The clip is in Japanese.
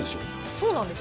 そうなんです。